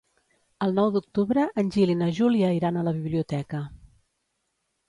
El nou d'octubre en Gil i na Júlia iran a la biblioteca.